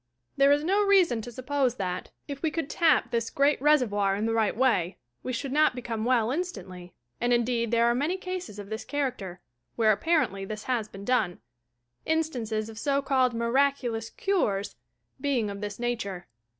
There is no reason to suppose that, if we could "tap" this great Reservoir in the right way, we should not become well instantly — and indeed there are many cases of this character, where, apparently, this has been done — in stances of so called "miraculous cures" being of this nature.